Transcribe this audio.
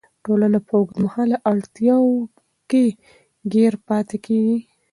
ټولنه په اوږدمهاله اړتیاوو کې ګیر پاتې کیږي.